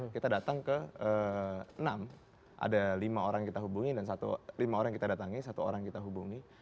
kita datang ke enam ada lima orang kita hubungi dan satu orang kita hubungi